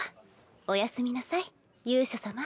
おやすみなさい勇者様。